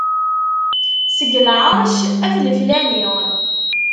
Seg lɛerc at leflani.